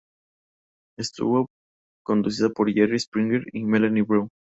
Estuvo conducida por Jerry Springer y Melanie Brown.